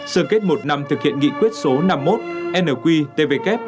sơ kết một năm thực hiện nghị quyết số năm mươi một nqtvk